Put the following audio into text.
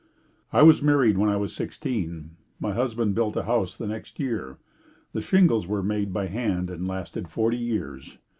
I was married when I was sixteen. My husband built a house the next year. The shingles were made by hand and lasted forty years.